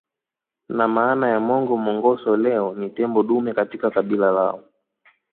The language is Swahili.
Na maana ya Mongo Mongoso leo ni tembo dume katika kabila lao